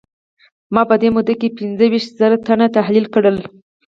ما په دې موده کې پينځه ويشت زره تنه تحليل کړل.